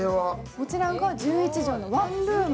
こちら１１畳のワンルーム。